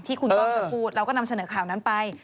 ที่คุณก้องจะพูดเราก็นำเสนอข่าวนั้นไป